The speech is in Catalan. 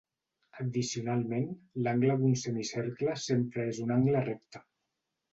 Addicionalment, l'angle d'un semicercle sempre és un angle recte.